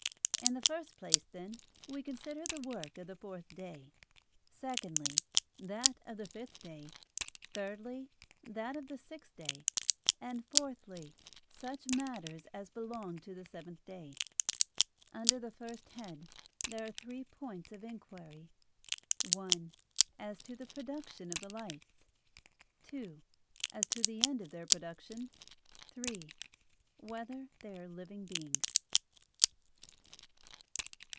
In the first place, then, we consider the work of the fourth day, secondly, that of the fifth day, thirdly, that of the sixth day, and fourthly, such matters as belong to the seventh day. Under the first head there are three points of inquiry: (1) As to the production of the lights; (2) As to the end of their production; (3) Whether they are living beings?